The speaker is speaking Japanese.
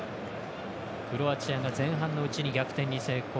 クロアチアが前半のうちに逆転に成功。